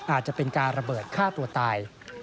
อาจจะเป็นการระเบิดฆ่าตัวตาย